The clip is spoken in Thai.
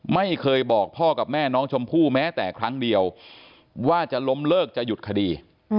ไม่เคยบอกพ่อกับแม่น้องชมพู่แม้แต่ครั้งเดียวว่าจะล้มเลิกจะหยุดคดี